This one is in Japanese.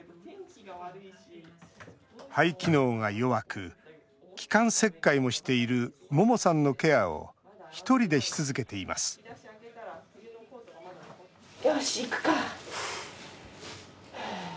肺機能が弱く気管切開もしている桃さんのケアを１人でし続けていますよし、いくか。